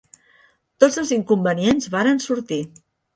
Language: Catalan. Tots els inconvenients varen sortir